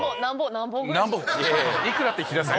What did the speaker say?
幾ら？って聞きなさい。